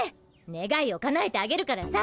ねがいをかなえてあげるからさ。